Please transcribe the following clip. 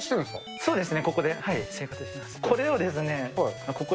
そうですね。